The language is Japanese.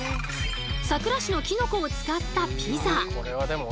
佐倉市のキノコを使ったピザ。